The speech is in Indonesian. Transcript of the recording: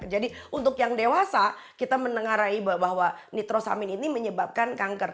jadi untuk yang dewasa kita mendengar bahwa nitrosamin ini menyebabkan kanker